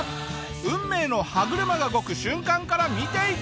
運命の歯車が動く瞬間から見ていこう！